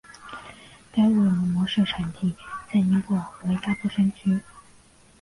该物种的模式产地在尼泊尔和阿波山区。